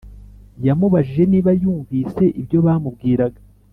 yamubajije niba yumvise ibyo bamubwiraga